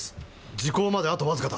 時効まであとわずかだ。